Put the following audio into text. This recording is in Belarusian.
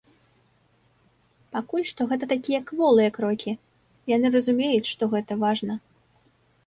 Пакуль што гэта такія кволыя крокі, яны разумеюць, што гэта важна.